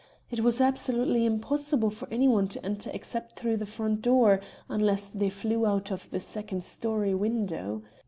It was absolutely impossible for anyone to enter except through the front door, unless they flew out of the second storey window.